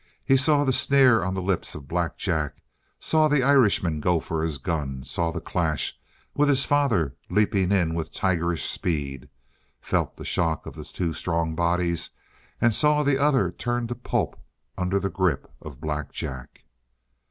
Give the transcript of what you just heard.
He saw the sneer on the lips of Black Jack; saw the Irishman go for his gun; saw the clash, with his father leaping in with tigerish speed; felt the shock of the two strong bodies, and saw the other turn to pulp under the grip of Black Jack.